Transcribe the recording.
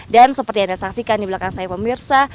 dan seperti yang anda saksikan di belakang saya pemirsa